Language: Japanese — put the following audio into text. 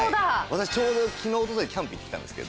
私ちょうど昨日おとといキャンプ行ってきたんですけど。